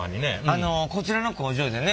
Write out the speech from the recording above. あのこちらの工場でね